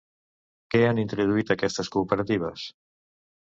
Què han introduït aquestes cooperatives?